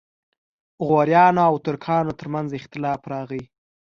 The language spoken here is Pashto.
غوریانو او ترکانو ترمنځ اختلاف راغی.